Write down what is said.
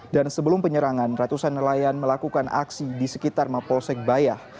dan sebelum penyerangan ratusan nelayan melakukan aksi di sekitar mapolsek bayah